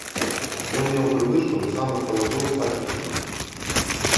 Ён меў прывычку да самых халадоў спаць у сенцах.